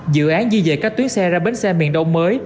dự án di dời các tuyến xe ra bến xe miền đông mới